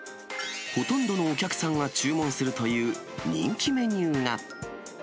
ほとんどのお客さんが注文するという人気メニューが。